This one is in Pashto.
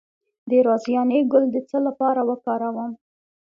د رازیانې ګل د څه لپاره وکاروم؟